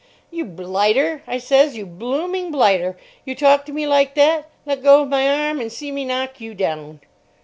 "You blighter," I says. "You blooming blighter. You talk to me like that. Let go of my arm and see me knock you down."